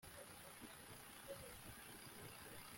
ikarushaho kuba myiza kabone n'ubwo uwabikoze yaba atakiriho